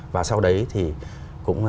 và sau đấy thì cũng